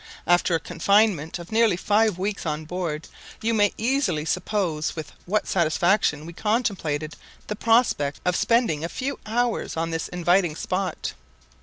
After a confinement of nearly five weeks on board, you may easily suppose with what satisfaction we contemplated the prospect of spending a few hours on this inviting spot.